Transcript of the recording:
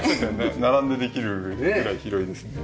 並んでできるぐらい広いですね。